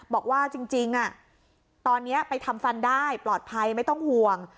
บอกว่าจริงตอนนี้ไปทำฟันได้ปลอดภัยไม่ต้องห่วง